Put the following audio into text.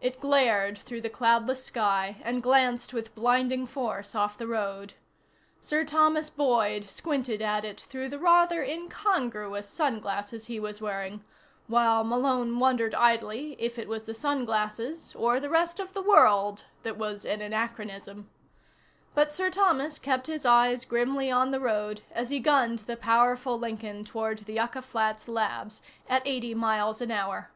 It glared through the cloudless sky and glanced with blinding force off the road. Sir Thomas Boyd squinted at it through the rather incongruous sunglasses he was wearing, while Malone wondered idly if it was the sunglasses, or the rest of the world, that was an anachronism. But Sir Thomas kept his eyes grimly on the road as he gunned the powerful Lincoln toward the Yucca Flats Labs at eighty miles an hour.